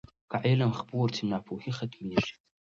که علم خپور سي، ناپوهي ختمېږي.